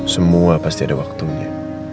semua pasti ada waktunya